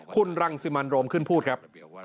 คุณรังสิมันโรมขึ้นพูดครับ